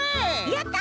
やった！